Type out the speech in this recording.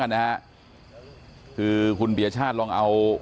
ฐานพระพุทธรูปทองคำ